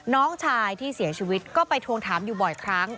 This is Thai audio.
น้องชายที่เสียชีวิตก็ไปทวงถามอยู่บ่อยครั้ง